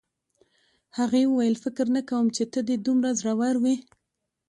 هغې وویل فکر نه کوم چې ته دې دومره زړور وې